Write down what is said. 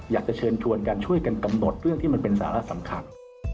อยากจะเชิญชวนกันช่วยกันกำหนดเรื่องที่มันเป็นสาระสำคัญ